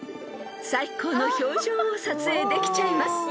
［最高の表情を撮影できちゃいます］